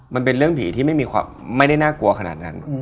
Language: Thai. มันเป็นเรื่องผีที่ไม่ได้น่ากลัวขนาดนั้น